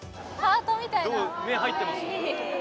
目入ってます？